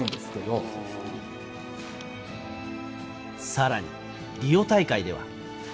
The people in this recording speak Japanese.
さらにリオ大会では。